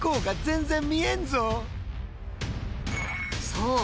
そう！